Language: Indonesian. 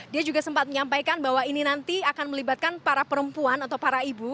dia juga sempat menyampaikan bahwa ini nanti akan melibatkan para perempuan atau para ibu